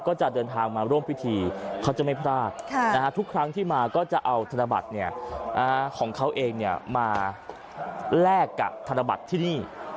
ก็จะเดินทางมาร่วมพิธีเขาจะไม่พลาดทุกครั้งที่มาก็จะเอาธนบัตรของเขาเองมาแลกกับธนบัตรที่นี่